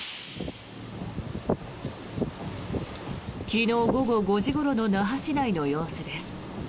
昨日午後５時ごろの那覇市内の様子です。